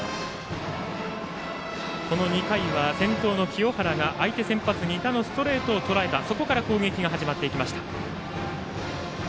この２回は先頭の清原が相手先発、仁田のストレートをとらえそこから攻撃が始まっていきました。